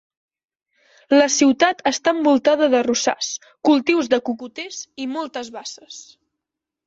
La ciutat està envoltada d'arrossars, cultius de cocoters i moltes basses.